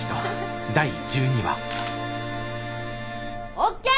ＯＫ